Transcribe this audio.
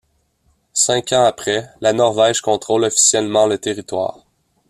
Cinq ans après, la Norvège contrôle officiellement le territoire.